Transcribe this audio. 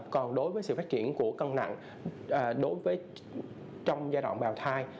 còn đối với sự phát triển của cân nặng đối với trong giai đoạn bào thai